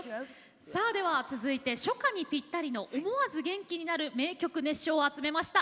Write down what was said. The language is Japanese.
さあでは続いて初夏にぴったりの思わず元気になる名曲熱唱を集めました。